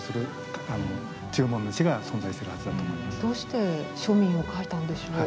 どうして庶民を描いたんでしょう？